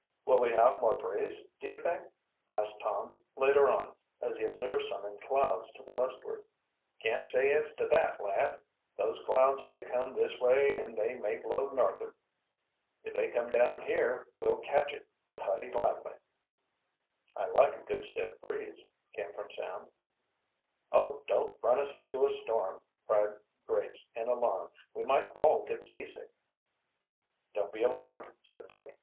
"Will we have more breeze, do you think?" asked Tom, later on, as he observed some in clouds to the westward. "Can't say as to that, lad. Those clouds may come this way and they may blow north'ard. If they come down here, we'll catch it putty lively." "I like a good, stiff breeze," came from Sam. "Oh, don't run us into a storm," cried Grace in alarm. "We might all get seasick." "Don't be alarmed," said Dick.